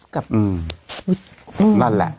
กับนั่นแหละ